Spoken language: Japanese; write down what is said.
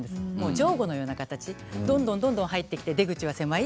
じょうごのような形どんどん入って出口は狭い。